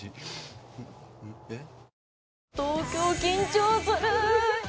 えっ？